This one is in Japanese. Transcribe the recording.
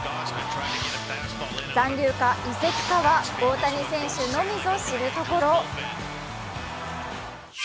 残留、移籍かは大谷選手のみぞ知るところ。